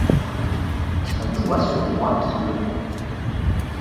Son poids sur moi qui me.